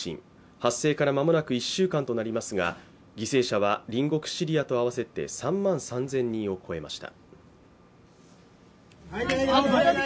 発生から間もなく１週間となりますが、犠牲者は隣国シリアと合わせて３万３０００人を超えました。